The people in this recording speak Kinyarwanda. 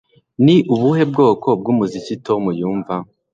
Ni ubuhe bwoko bwumuziki Tom yumva